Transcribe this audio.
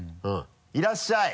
いらっしゃい！